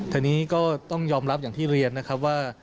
ทีนี้ก็ต้องยอมรับอย่างที่เรียนนะครับว่า